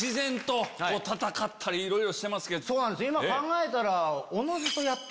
今考えたら。